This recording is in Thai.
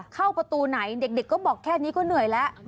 เข้าประตูไหนเด็กก็บอกแค่นี้ก็เหนื่อยแล้ว